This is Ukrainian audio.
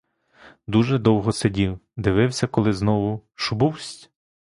Дуже довго сидів, дивився, коли знову — шубовсть!